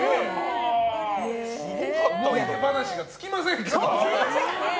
思い出話が尽きませんけども。